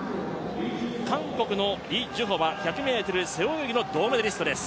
韓国のイ・ジュホは１００ｍの銅メダリストです。